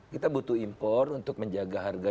kita butuh impor untuk menjaga harga